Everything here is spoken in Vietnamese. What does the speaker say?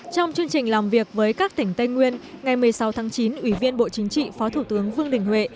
trong chương trình làm việc với các tỉnh tây nguyên ngày một mươi sáu tháng chín ủy viên bộ chính trị phó thủ tướng vương đình huệ